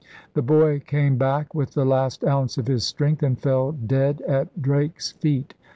The boy came back with the last ounce of his strength and fell dead at Drake's feet.